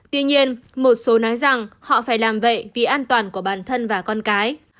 tuy nhiên một số nói rằng họ phải làm vậy vì an toàn của bản thân và con cái